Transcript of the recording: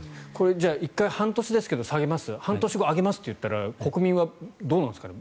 じゃあ、１回半年下げます半年後上げますと言ったら国民はどうなんですかね。